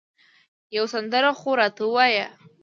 یوه سندره خو راته ووایه